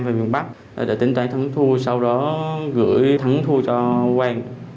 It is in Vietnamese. và miền bắc đã tính toán thắng thu sau đó gửi thắng thu cho quang